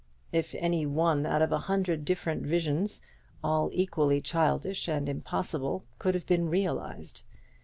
If any one out of a hundred different visions, all equally childish and impossible, could have been realized.